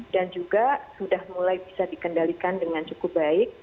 dan juga sudah mulai bisa dikendalikan dengan cukup baik